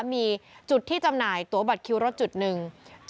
มีจุดที่จำหน่ายตัวบัตรคิวรถจุดหนึ่ง